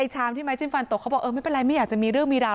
ช้างที่ไม้จิ้มฟันตกเขาบอกเออไม่เป็นไรไม่อยากจะมีเรื่องมีราว